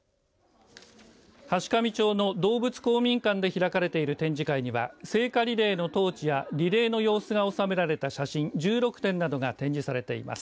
階上町の道仏公民館で開かれている展示会には聖火リレーのトーチやリレーの様子が収められた写真１６点などが展示されています。